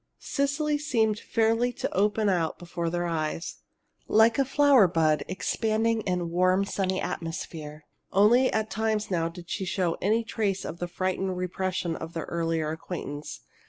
Cecily seemed fairly to open out before their eyes, like a flower bud expanding in warm, sunny atmosphere. Only at times now did she show any trace of the frightened repression of their earlier acquaintance.